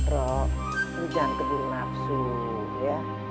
roh lu jangan keduri nafsu ya